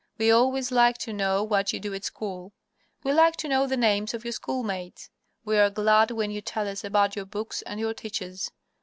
We always like to know what you do at school. We like to know the names of your schoolmates. We are glad when you tell us about your books and your teachers.